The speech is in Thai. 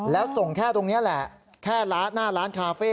แล้วส่งแค่ตรงนี้แหละแค่ร้านหน้าร้านคาเฟ่